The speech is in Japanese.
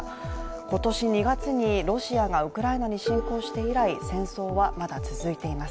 今年２月にロシアがウクライナに侵攻して以来、戦争はまだ続いています。